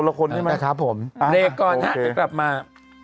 เรกก่อนนะครับจะกลับมา